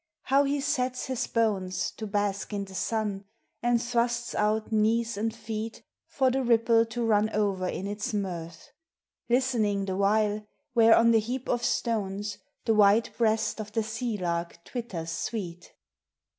How he sets his bones To bask i' the sun, and thrusts out knees and feet THE SEA. 431 For the ripple to run over in its mirth; Listening the while where on the heap of stones Che white breast of the sea lark twitters sweet.